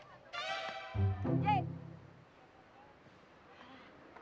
j j j j